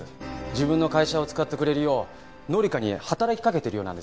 自分の会社を使ってくれるよう紀香に働きかけているようなんですよ。